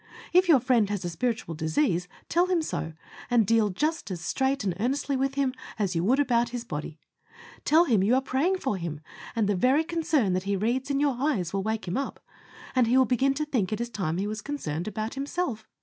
If your friend has a spiritual disease, tell him so, and deal just as straight and earnestly with him as you would about his body. Tell him you are praying for him, and the very concern that he reads in your eyes, will wake him up, and he will begin to think it is time he was concerned about himself.